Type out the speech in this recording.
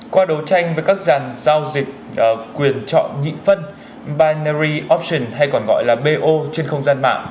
qua đấu tranh với các dàn giao dịch quyền chọn nhịn phân binary option hay còn gọi là bo trên không gian mạng